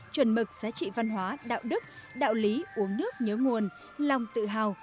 chuẩn mực giá trị văn hóa đạo đức đạo lý uống nước nhớ nguồn lòng tự hào